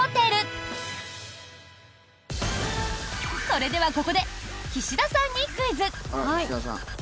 それではここで岸田さんにクイズ。